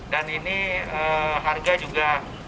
dan ini harga juga